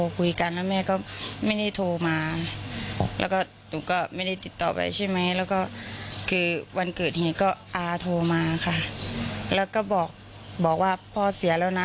แล้วก็คือวันเกิดเหตุก็อาโทรมาค่ะแล้วก็บอกว่าพ่อเสียแล้วนะ